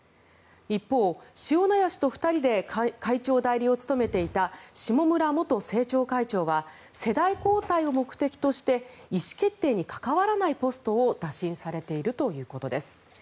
一方、塩谷氏と２人で会長代理を務めていた下村元政調会長は世代交代を目的として意思決定に関わらないポストを打診されているということです。